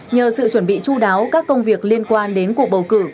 nhờ sự chuẩn bị chú đáo các công việc liên quan đến cuộc bầu cử